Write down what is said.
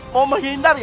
mau menghindar ya